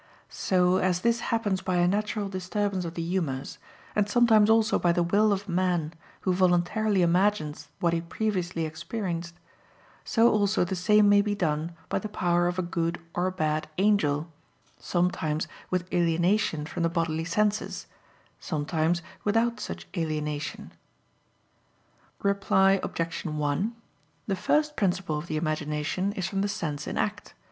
So, as this happens by a natural disturbance of the humors, and sometimes also by the will of man who voluntarily imagines what he previously experienced, so also the same may be done by the power of a good or a bad angel, sometimes with alienation from the bodily senses, sometimes without such alienation. Reply Obj. 1: The first principle of the imagination is from the sense in act.